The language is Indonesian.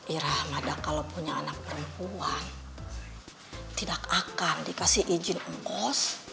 irah mada kalau punya anak perempuan tidak akan dikasih izin ongkos